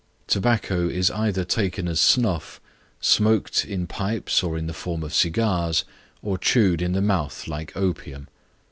Tobacco is either taken as snuff, smoked in pipes or in the form of cigars, or chewed in the mouth like opium.